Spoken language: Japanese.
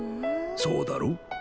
そうだろ？